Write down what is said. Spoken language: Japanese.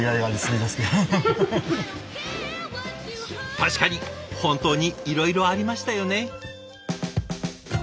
確かに本当にいろいろありましたよね。